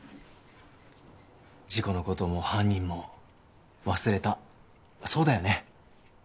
事故のことも犯人も忘れたそうだよね？